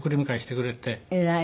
偉い。